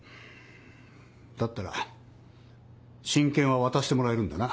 だったら親権は渡してもらえるんだな？